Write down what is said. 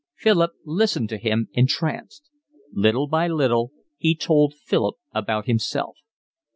Philip listened to him entranced. Little by little he told Philip about himself.